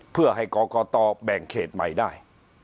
พักพลังงาน